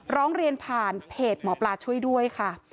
ร้องเรียนผ่านเพจหมอปลาช่วยด้วยค่ะ